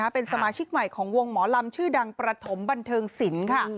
เป็นสมาชิกใหม่ของวงหมอลำชื่อดังประถมบันเทิงศิลป์ค่ะ